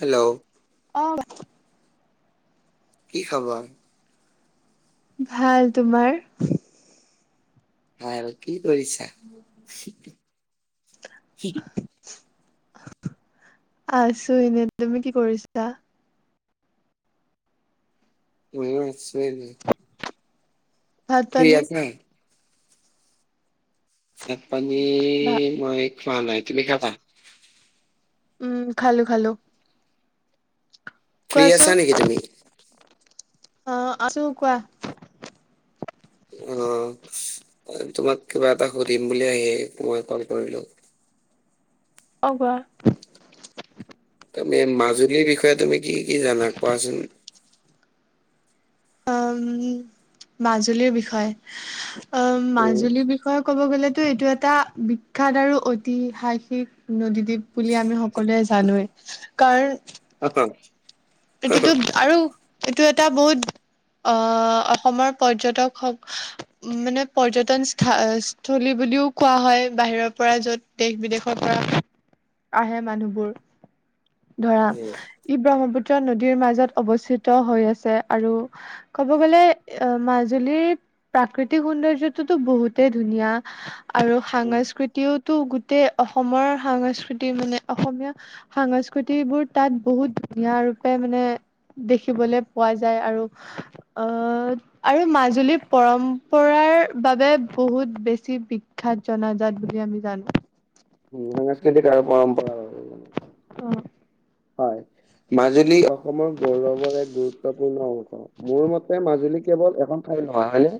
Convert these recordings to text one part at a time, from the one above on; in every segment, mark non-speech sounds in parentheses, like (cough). Hello. অ', কোৱা কি খবৰ ভাল তোমাৰ ভাল কি কৰিছা? উ', (unintelligible) আছো এনে তুমি কি কৰিছা। মইও আছো এনেই ভাত ফ্ৰী পানী আছা ভাত পানী ভা মই খোৱা নাই তুমি খাবা উম খালো খালো। ফ্ৰী আছা কোৱাচোন নেকি তুমি? অ', আছো কোৱা। অ', এ তোমাক কিবা এটা সুধিম বুলি আহি মই কল কৰিলো। অ কোৱাহ তুমি মাজুলীৰ বিষয়ে তুমি কি কি জানা কোৱাচোন আম মাজুলীৰ বিষয় (inaudible) অ', উম মাজুলীৰ বিষয়ে ক'ব গলেতো এইটো এটা বিখ্যাত আৰু ঐতিহাসিক নদীদ্বীপ বুলি আমি সকলোৱে জানোৱে কাৰণ (unintelligible) এইটোতো আৰু এইটো এটা বহুত অ অসমৰ পৰ্যটক হক উ মানে পৰ্যটন স্থা স্থলী বুলিও কোৱা হয়, বাহিৰৰ পৰা য'ত দেশ বিদেশৰ পৰা আহে মানুহবোৰ ধৰা ই ব্ৰহ্মপুত্ৰ নদীৰ মাজত অৱস্থিত হৈ আছে আৰু ক'ব গ'লে এ মাজুলীৰ প্ৰাকৃতিক সৌন্দৰ্যটোটো বহুতেই ধুনীয়া আৰু উম সাস্কৃতিওতো গোটেই অসমৰ সাস্কৃতি মানে অসমীয়া সাংস্কৃতিবোৰ তাত বহুত ধুনীয়া ৰূপে মানে দেখিবলে পোৱা যায় আৰু আহ আৰু মাজুলীৰ পৰম্পৰাৰ বাবে বহুত বেছি বি খ্যাত জনাজাত বুলি আমি জান সাংস্কৃতিক আৰু পৰম্প উম। হয়। মাজুলী অসমৰ গৌৰৱৰ এক গুৰুত্বপূৰ্ণ অংশ। মোৰ মতে মাজুলী কেৱল এখন ঠাই নহয়, হয়নে?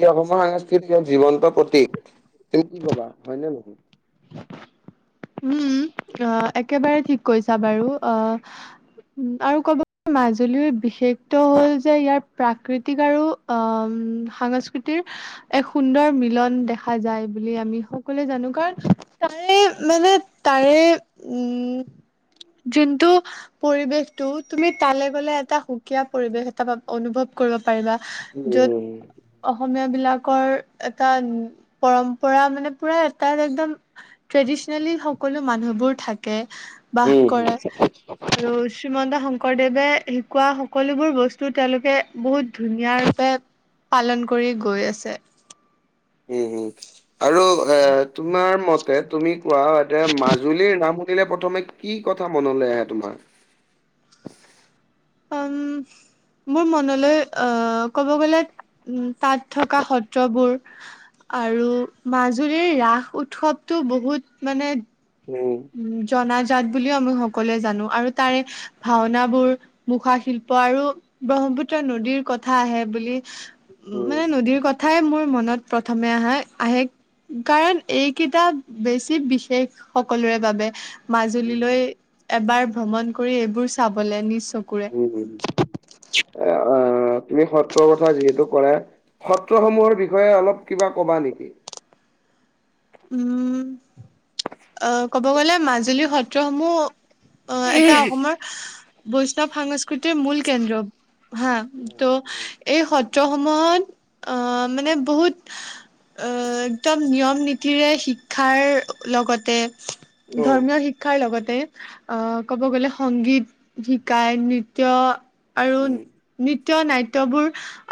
ই অসমৰ সাংস্কৃতিক জীৱন্ত প্ৰতীক। তুমি কি কবা? হয়নে নহয়? উম, অ' একেবাৰে ঠিক কৈছা বাৰু, অ'- আৰু কব মাজুলীৰ বিশেষত হ'ল যে ইয়াৰ প্ৰাকৃতিক আৰু আম সাংস্কৃতিৰ এক সুন্দৰ মিলন দেখা যায় বুলি আমি সকলোৱে জানো, কাৰণ তাৰে মানে তাৰে উম যোনটো পৰিৱেশটো তুমি তালে গ'লে এটা সুকীয়া পৰিৱেশ এটা পাব অনুভৱ কৰিব পাৰিবা, উম, য'ত অসমীয়াবিলাকৰ এটা পৰম্পৰা মানে পুৰা এটাৰ একদম ট্ৰেডিছ নেলি সকলো মানুহবোৰ থাকে, বাস উম, হম, কৰে। আৰু শ্ৰীমন্ত শংকৰদেৱে শিকোৱা সকলোবোৰ বস্তু তেওঁলোকে বহুত ধুনীয়াৰূপে পালন কৰি গৈ আছে। উম হুম আৰু এ তোমাৰ মতে তুমি কোৱা এতিয়া মাজুলীৰ নাম শুনিলে প্ৰথমে কি কথা মনলৈ আহে তোমাৰ? আম মোৰ মনলৈ আহ ক'ব গলে উম তাত থকা সত্ৰবোৰ আৰু মাজুলীৰ ৰাস উৎসৱটো বহুত মানে উম। উ জনাজাত বুলিও আমি সকলোৱে জানো আৰু তাৰে ভাওনাবোৰ, মুখা শিল্প আৰু ব্ৰহ্মপুত্ৰ নদীৰ কথা আহে বুলি উম, মানে নদীৰ কথাই মোৰ মনত প্ৰথমে আহে- আহে কাৰণ এইকেইটা বেছি বিশেষ স কলোৰে বাবে, উম। মাজুলীলৈ এবাৰ ভ্ৰমণ কৰি এইবোৰ চাবলে নিজ চকুৰে অ অ' তুমি সত্ৰৰ কথা যিহেতু কৰা, সত্ৰসমূহৰ বিষয়ে অলপ কিবা কবা নেকি? উম, আহ ক'ব গ'লে মাজুলীৰ সত্ৰসমূহ অ' এটা অসমৰ বৈষ্ণৱ সাংস্ কৃতিৰ মূল কেন্দ্ৰ, হা, উম, তো এই সত্ৰসমূহত অ' মানে বহুত অ' একদম নিয়ম নী তিৰে শিক্ষাৰ লগতে উম। ধৰ্মীয় শিক ক্ষাৰ লগতে আহ ক'ব গ'লে সংগীত শিকায়, নৃত্য আৰু উম। নৃত্য নাট্যবোৰ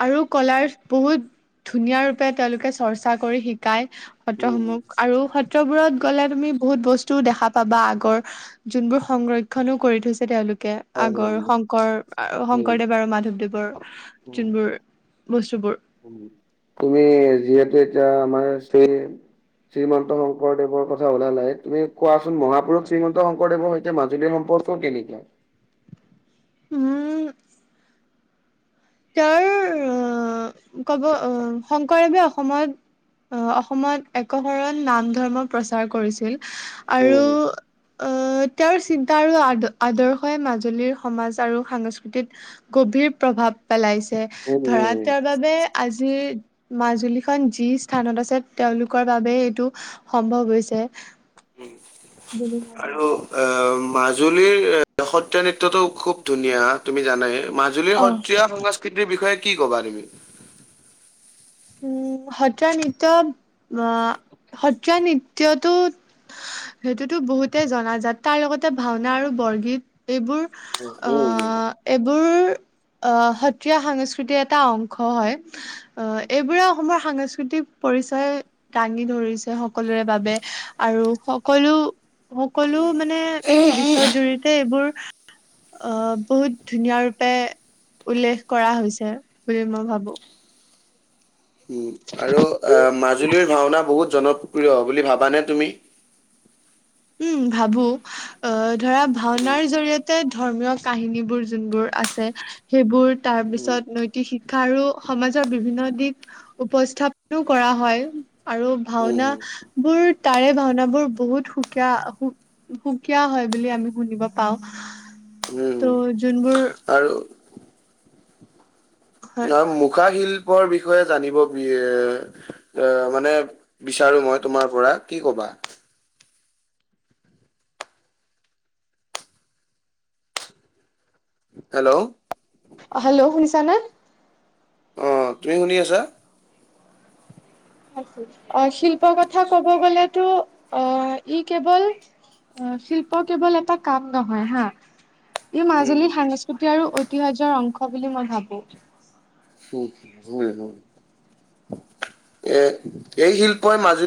আৰু কলাৰ বহুত ধুনীয়া ৰূপে তেওঁলোকে চৰ্চা কৰি শিকায় উম, সত্ৰসমূহ আৰু সত ত্ৰবোৰত গ'লে তুমি বহুত বস্তু দেখা পাবা আগৰ যোনবোৰ সংৰক্ষণো কৰি থৈছে তেওঁলোকে। হয় হয় আগৰ হয়। শংকৰ- আ উম, শংকৰদেৱ আৰু মাধৱদেৱৰ উম, যোনবোৰ বস্তুবোৰ উম। তুমি যিহেতু এতিয়া আমাৰ শ্ৰী শ্ৰীমন্ত শংকৰদেৱৰ কথা ওলালাই, তুমি কোৱাচোন মহাপুৰুষ শ্ৰীমন্ত শংকৰদেৱৰ সৈতে মাজুলী সম্পৰ্ক টো কেনেকুৱা? উম তেওঁৰ আহ, কব, অ, শংকৰদেৱে অসমত আহ অসমত একশৰণ নাম ধৰ্ম প্ৰচাৰ কৰিছিল আৰু উম, আহ তেওঁৰ চিন্তা আৰু আ আদৰ্শই মাজুলীৰ সমাজ আৰু সাংস্কৃতিত গভীৰ প্ৰভাৱ পেলাইছে উম, ধৰা উম। তেওঁৰ বাবে আজি যি মাজুলীখন যি স্থানত আছে তেওঁলোকৰ বাবে এইটো। সম্ভৱ হৈছে। বুলি (inaudible) মই ভাবো। হেল্লো অ' মাজুলীৰ সত্ৰীয়া নৃত্যটো খুব ধুনীয়া তুমি জানাই ম মাজুলীৰ অ'। সত্ৰীয়া সংস্কৃতিৰ বিষয়ে কি ক'বা তুমি? উম সত্ৰীয়া নৃত্য সত্ৰ নৃত্যটো সেইটোতো বহুতে জনাজাত তাৰ লগতে ভাওনা আৰু বৰগীত এইবোৰ। উম, অ' এইবোৰ আহ সত্ৰীয়া সংস্কৃতিৰ এটা অংশ হয় আহ এইবোৰে অসমৰ সাংস্কৃতিক পৰিচয়। দাঙি ধৰিছে সকলোৰে বাবে আৰু সকলো। সকলো মানে বিশ্ব জুৰিতে এইবোৰ আহ বহুত ধুনীয়া ৰূপে উল্লেখ কৰা হৈছে বুলি মই ভাবো। উম, আৰু (inaudible) অ' মাজুলীৰ ভাওনা বহুত জনপ্ৰিয় প্ৰিয় বুলি ভাবানে তুমি? উম ভাবোঁ। অ' ধৰা উম, ভাওনাৰ কাহিনীবোৰ যোনবোৰ আছে সেইবোৰ তাৰ উম, পিছত নৈতিক শিক্ষা আৰু সমাজৰ বিভিন্ন দিশ উপস্থাপনো কৰা হয় আৰু ভাওনা উম। বোৰ তাৰে ভাওনাবোৰ বহুত সু কীয় সুকীয়া সুকীয়া হয় বুলি আমি শুনিব পাওঁ। উম ত' যোনবোৰ আৰু হয় ইয়াৰ মুখা শিল্পৰ বিষয়ে জানিব বি এ অ' মানে বিচাৰো মই তোমাৰ পৰা কি কবা? হেল্ল'? অ' হেল্ল' শুনিছানে? অ' তুমি শুনি আছা? অ' শিল্প কথা ক'ব গলেতো অ' ই কেৱল অ' শিল্প কেৱল এটা কাম নহয় হা। ই উম মাজুলীৰ সাংস্কৃতিক আৰু ঐতিহাহ্যৰ অংশ বুলি মই ভাবোঁ। (unintelligible) এ এই শিল্পই মাজুলী